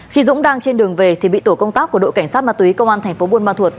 khi dũng đang trên đường về thì bị tổ công tác của đội cảnh sát ma túy công an thành phố buôn ma thuột